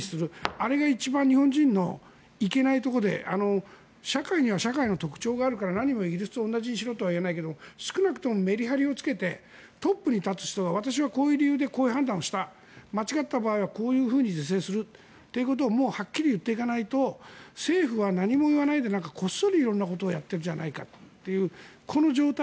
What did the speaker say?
あれが日本人のいけないところで社会には社会の特徴があるから何もイギリスと同じにしろとは言わないけどめりはりをつけてトップに立つ人私はこういう理由でこういう判断をした間違った場合はこういうふうに是正するということをはっきり言っていかないと政府は何も言わないでなんか、こっそり色んなことをやってるじゃないかというこの状態。